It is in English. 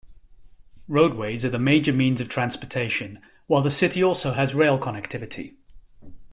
Roadways are the major means of transportation, while the city also has rail connectivity.